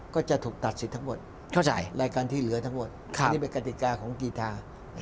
ก็จะถูกตัดสิทธิ์ทั้งหมดรายการที่เหลือทั้งหมดอันนี้เป็นกติกาของกีธา